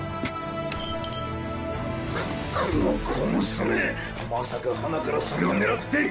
ここの小娘まさかはなからそれを狙って。